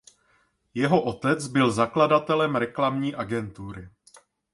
Jeho otec byl zakladatelem reklamní agentury.